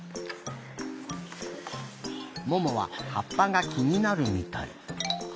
ももははっぱがきになるみたい。